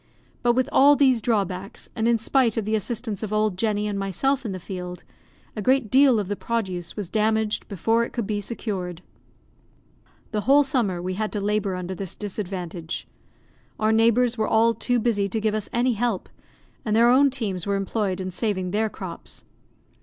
But with all these drawbacks, and in spite of the assistance of old Jenny and myself in the field, a great deal of the produce was damaged before it could be secured. The whole summer we had to labour under this disadvantage. Our neighbours were all too busy to give us any help, and their own teams were employed in saving their crops.